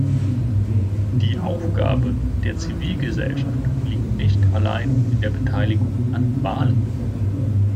Die Aufgabe der Zivilgesellschaft liegt nicht allein in der Beteiligung an Wahlen.